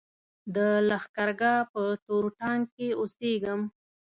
د لښکرګاه په تور ټانګ کې اوسېدم.